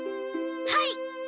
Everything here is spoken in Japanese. はい！